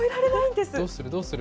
どうする、どうする。